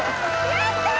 やったー！